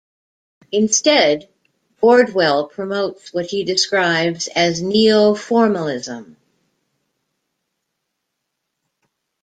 Instead, Bordwell promotes what he describes as neoformalism.